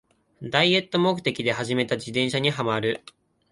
ダイエット目的で始めた自転車にハマる